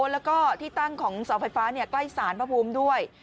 แล้วก็ที่ตั้งของเสาไฟฟ้าใกล้สารพระภูมิด้วย